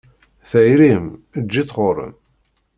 Tayri-m? Eǧǧ-itt ɣur-m.